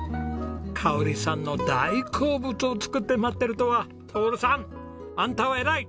香さんの大好物を作って待ってるとは徹さんあんたは偉い！